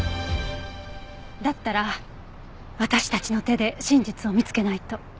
だったら私たちの手で真実を見つけないと。